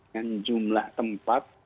dan jumlah tempat